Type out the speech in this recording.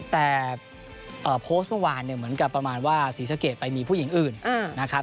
แต่โพสต์เมื่อวานเนี่ยเหมือนกับประมาณว่าศรีสะเกดไปมีผู้หญิงอื่นนะครับ